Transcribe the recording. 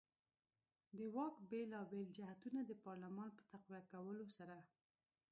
د واک بېلابېل جهتونه د پارلمان په تقویه کولو سره.